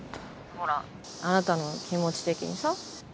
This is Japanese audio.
ほらあなたの気持ち的にさ